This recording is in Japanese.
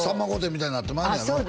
みたいになってまうんやろあっ